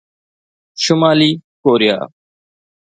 شمالي Korea